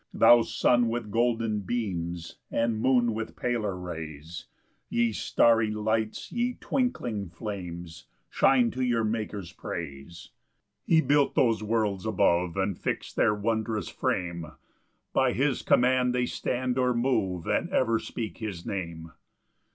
2 Thou sun with golden beams, And moon with paler rays; Ye starry lights, ye twinkling flames, Shine to your Maker's praise. 3 He built those worlds above, And fix'd their wondrous frame; By his command they stand or move, And ever speak his Name.